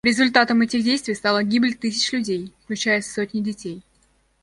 Результатом этих действий стала гибель тысяч людей, включая сотни детей.